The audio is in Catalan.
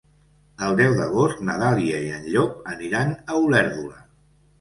El deu d'agost na Dàlia i en Llop aniran a Olèrdola.